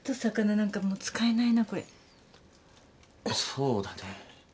そうだね。